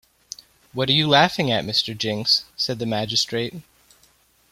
‘What are you laughing at, Mr. Jinks?’ said the magistrate.